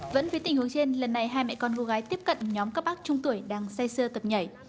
vẫn với tình huống trên lần này hai mẹ con cô gái tiếp cận nhóm các bác trung tuổi đang say xưa tập nhảy